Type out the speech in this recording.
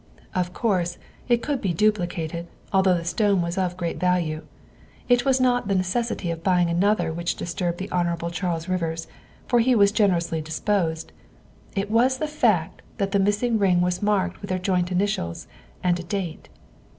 Of course, it could be duplicated, although the stone was of great value. It was not the necessity of buying an other which disturbed the Hon. Charles Rivers, for he was generously disposed ; it was the fact that the miss ing ring was marked with their joint initials and a date.